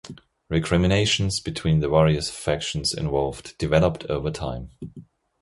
Recriminations between the various factions involved developed over time.